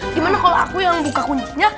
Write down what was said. gimana kalau aku yang buka kuncinya